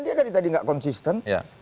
dia dari tadi nggak konsisten